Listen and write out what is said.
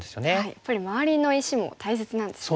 やっぱり周りの石も大切なんですね。